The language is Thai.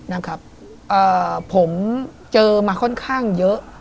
อ่าผมเจอมาค่อนข้างเยอะ